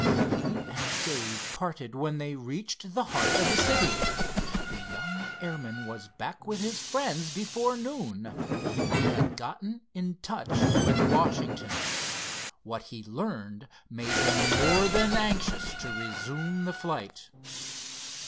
He and Dave parted when they reached the heart of the city. The young airman was back with his friends before noon. He had gotten in touch with Washington. What he learned made him more than anxious to resume the flight.